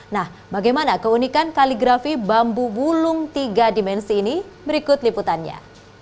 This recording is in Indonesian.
nah bagaimana keunikan kaligrafi bambu bulung tiga dimensi ini berikut liputannya